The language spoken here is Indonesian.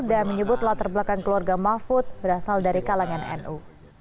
dan menyebutlah terbelakang keluarga mahfud berasal dari kalangan nu